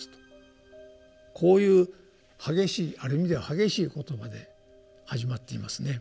こういう激しいある意味では激しい言葉で始まっていますね。